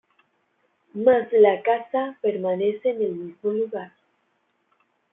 Mas la casa permanece en el mismo lugar.